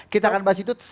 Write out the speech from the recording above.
kita akan bahas itu